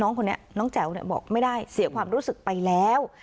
คนนี้น้องแจ๋วบอกไม่ได้เสียความรู้สึกไปแล้ว